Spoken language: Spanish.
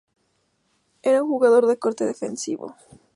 Era un jugador de corte defensivo.